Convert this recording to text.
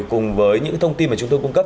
cùng với những thông tin mà chúng tôi cung cấp